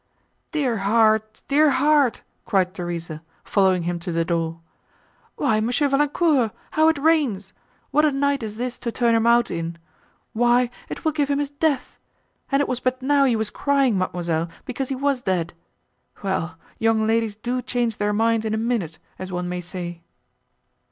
"Dear heart! dear heart!" cried Theresa, following him to the door, "why, Monsieur Valancourt! how it rains! what a night is this to turn him out in! Why it will give him his death; and it was but now you were crying, mademoiselle, because he was dead. Well! young ladies do change their mind in a minute, as one may say!"